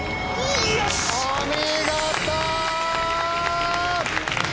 お見事！